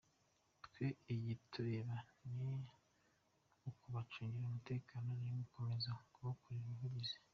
Twe ikitureba ni ukubacungira umutekano, ni ugukomeza kubakorera ubuvugizi.